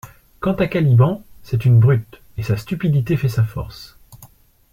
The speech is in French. Quant à Caliban, c'est une brute, et sa stupidité fait sa force.